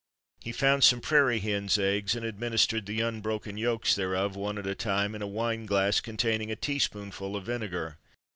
He found some prairie hen's eggs, and administered the unbroken yolks thereof, one at a time, in a wine glass containing a teaspoonful of vinegar.